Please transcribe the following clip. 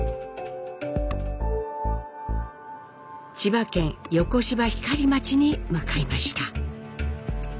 千葉県横芝光町に向かいました。